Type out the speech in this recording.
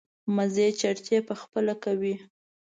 مزې چړچې په خپله کوي.